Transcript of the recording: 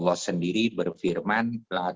kami sendiri berfirman